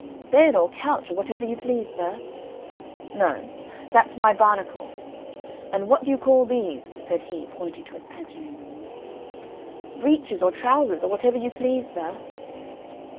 "Bed or couch, or whatever you please, sir." "No, that's my 'barnacle.' And what do you call these?" said he pointing to his pantaloons. "Breeches or trousers, or whatever you please, sir."